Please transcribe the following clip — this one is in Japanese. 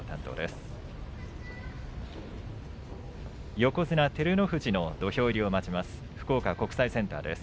横綱照ノ富士の土俵入りを待ちます。